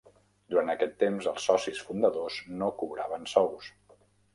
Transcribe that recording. Durant aquest temps, els socis fundadors no cobraven sous.